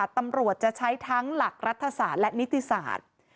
ตำรวจจะใช้ทั้งหลักรัฐศาสตร์และนิติศาสตร์